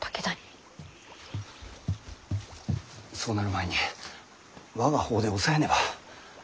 そうなる前に我が方で押さえねば。